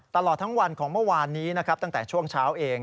ตลอดทั้งวันของเมื่อวานนี้นะครับตั้งแต่ช่วงเช้าเอง